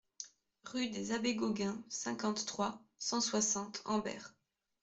Rue des Abbés Gaugain, cinquante-trois, cent soixante Hambers